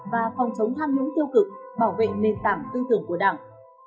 và phòng chống tham nhũng tiêu cực bảo vệ nền tảng tư tưởng của đảng